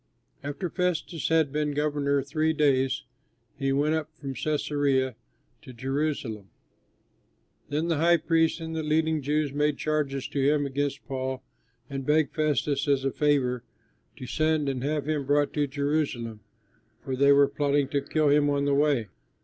After Festus had been governor three days, he went up from Cæsarea to Jerusalem. Then the high priests and the leading Jews made charges to him against Paul and begged Festus as a favor to send and have him brought to Jerusalem, for they were plotting to kill him on the way.